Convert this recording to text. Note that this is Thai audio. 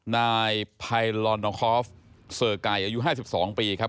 นายไพลลอนอคอฟเสอร์ไก่อายุ๕๒ปีครับ